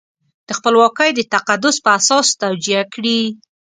د خپلواکۍ د تقدس په اساس توجیه کړي.